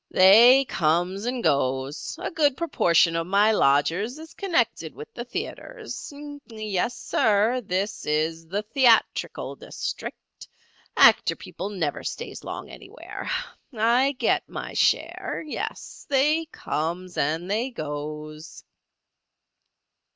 "They comes and goes. A good proportion of my lodgers is connected with the theatres. Yes, sir, this is the theatrical district. Actor people never stays long anywhere. I get my share. Yes, they comes and they goes."